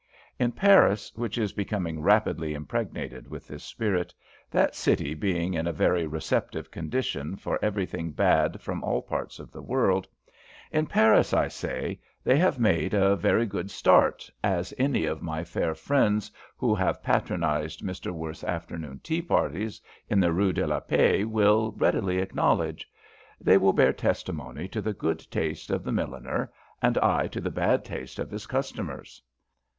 In Paris, which is becoming rapidly impregnated with this spirit, that city being in a very receptive condition for everything bad from all parts of the world in Paris, I say, they have made a very good start, as any of my fair friends who have patronised Mr Worth's afternoon tea parties in the Rue de la Paix will readily acknowledge. They will bear testimony to the good taste of the milliner, and I to the bad taste of his customers.